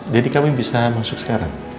jadi kami bisa masuk sekarang